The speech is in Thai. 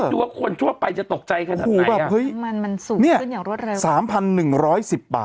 ได้ยินป่ะ